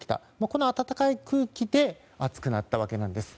この暖かい空気で暑くなったわけです。